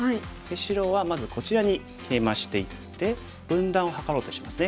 白はまずこちらにケイマしていって分断を図ろうとしてますね。